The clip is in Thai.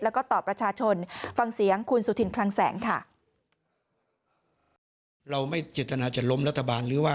และก็ต่อประชาชน